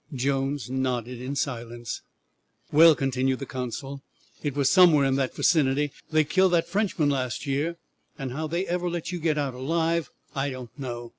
Jones nodded in silence. "Well," continued the consul, "it was somewhere in that vicinity they killed that Frenchman last year, and how they ever let you get out alive I don't know.